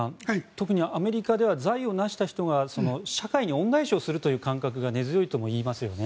特にアメリカでは財を成した人が社会に恩返しをするという考えが根強いとも言いますよね。